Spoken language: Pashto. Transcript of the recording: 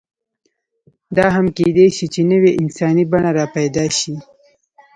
دا هم کېدی شي، چې نوې انساني بڼې راپیدا شي.